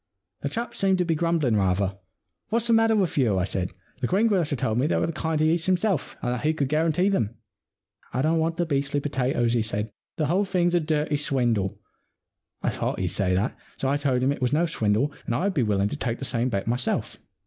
* The chap seemed to be grumbling rather. " What's the matter with you ? I said. The green grocer told me that they were the kind he eats himself, and that he could guarantee them." 75 The Problem Club *" I don't want the beastly potatoes," he said. The whole thing's a dirty swindle." I thought he'd say that. So I told him that it was no swindle and I would be quite willing to take the same bet myself.